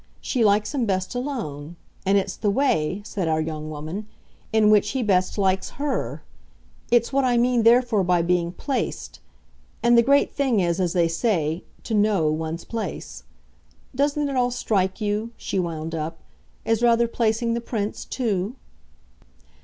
She likes him best alone. And it's the way," said our young woman, "in which he best likes HER. It's what I mean therefore by being 'placed.' And the great thing is, as they say, to 'know' one's place. Doesn't it all strike you," she wound up, "as rather placing the Prince too?"